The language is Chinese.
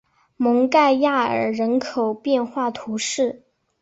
蒙盖亚尔人口变化图示